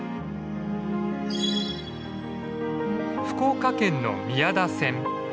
福岡県の宮田線。